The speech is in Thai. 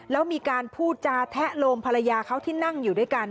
แล้วมีการพูดจาแทะโลมภรรยาเขาที่นั่งอยู่ด้วยกัน